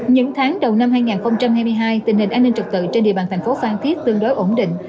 những tháng đầu năm hai nghìn hai mươi hai tình hình an ninh trực tự trên địa bàn tp phan thiết tương đối ổn định